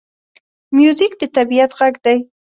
موزیک د طبعیت غږ دی.